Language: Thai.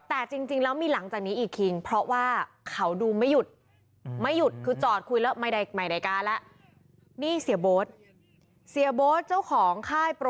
พี่มึงเปลี่ยนแบบนี้หรอ